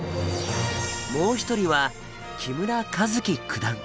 もう一人は木村一基九段。